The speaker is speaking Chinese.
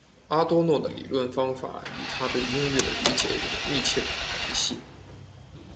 阿多诺的理论方法与他对音乐的理解有着密切联系。